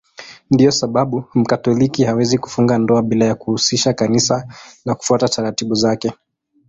Ndiyo sababu Mkatoliki hawezi kufunga ndoa bila ya kuhusisha Kanisa na kufuata taratibu zake.